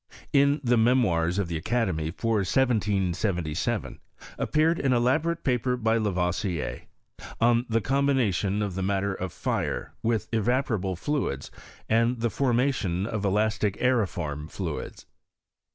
In the Memoirs of the Academy, for 1777, appeared an elaborate paper, by Lavoisier, '* On the Combination of the matter of Fire, with Evaporable Fluids, and the Formation of Elastic aeriform Fluids."